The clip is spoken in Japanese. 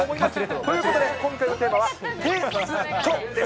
ということで、今回のテーマはテストです。